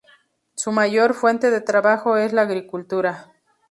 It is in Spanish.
Su mayor fuente de trabajo es la agricultura.